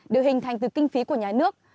đều hình thành từ kinh phí của nhà nước